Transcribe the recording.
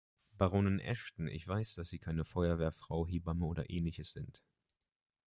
Baronin Ashton, ich weiß, dass Sie keine Feuerwehrfrau, Hebamme oder ähnliches sind.